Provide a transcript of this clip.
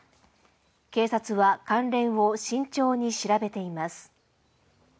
警察は関連を慎重に調べています。